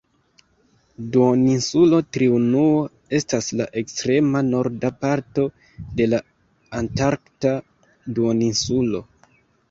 Duoninsulo Triunuo estas la ekstrema norda parto de la Antarkta Duoninsulo.